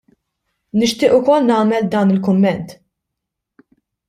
Nixtieq ukoll nagħmel dan il-kumment.